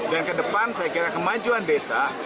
dan ke depan saya kira kemajuan desa